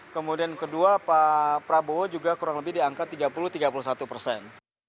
kemudian kedua pak prabowo juga kurang lebih di angka tiga puluh tiga puluh satu persen